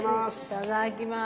いただきます。